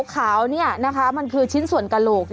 ขาวนี่นะคะมันคือชิ้นส่วนกระโหลก